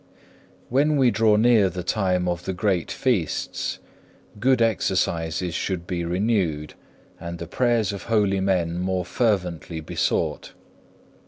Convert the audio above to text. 6. When we draw near the time of the great feasts, good exercises should be renewed, and the prayers of holy men more fervently besought.